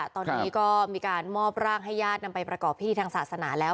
ตอนนี้ก็มีการมอบร่างให้ญาตินำไปประกอบพิธีทางศาสนาแล้ว